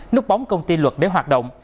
nút bóng công ty luật để hoạt động